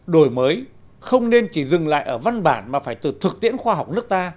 đổi mới không nên chỉ dừng lại ở văn bản mà phải từ thực tiễn khoa học nước ta